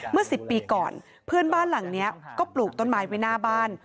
เมื่อ๑๐ปีก่อนเพื่อนบ้านหลังนี้ก็ปลูกต้นไม้ไว้หน้าบ้าน